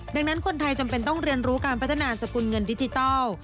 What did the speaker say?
ดังนั้นคนไทยจำเป็นต้องเรียนรู้การพัฒนาสกุลเงินดิจิทัล